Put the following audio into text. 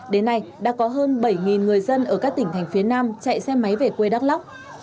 đến nay đã có hơn bảy người dân ở các tỉnh thành phía nam chạy xe máy về quê đắk lắc